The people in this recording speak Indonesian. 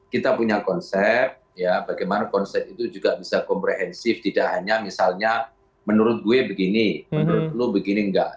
kita punya konsep bagaimana konsep itu juga bisa komprehensif tidak hanya misalnya menurut gue begini menurut lu begini enggak